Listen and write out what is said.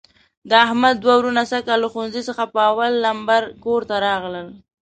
د احمد دوه وروڼه سږ کال له ښوونځي څخه په اول لمبر کورته راغلل.